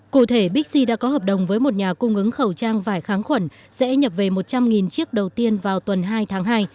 cụ thể bixi đã có hợp đồng với một nhà cung ứng khẩu trang vải kháng khuẩn sẽ nhập về một trăm linh chiếc đầu tiên vào tuần hai tháng hai